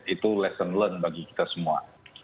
itu lesson learned bagi kita semua